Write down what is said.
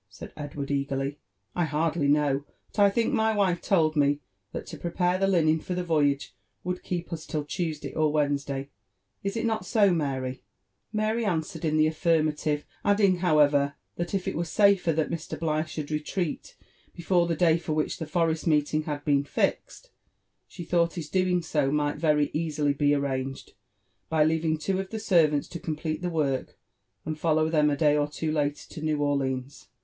said Edward eagerly. " I hardly know ; but T think my wife told me, that to prepare the linen for the voyage would keep us till Tuesday or Wednesday. Is it not so, Mary ?" Mary answered in the affirmative ; adding, however, that if it were safer that Mr. Bligh should retreat before the day for which the forest meeting had been fixed, she thought his doing so might very easily be arranged, by leaving two of the servants to complete the work, and follow them a day or two later to New Orleans."